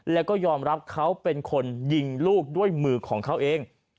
แล้วก็ยอมรับเขาเป็นคนยิงลูกด้วยมือของเขาเอง